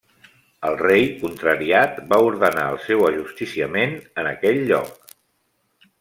El rei, contrariat, va ordenar el seu ajusticiament en aquell lloc.